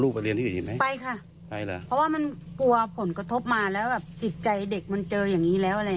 และพอเกิดเรื่องอย่างงี้แล้วปรึกษากันแล้วขาย